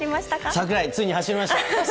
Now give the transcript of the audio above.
櫻井、ついに走りました。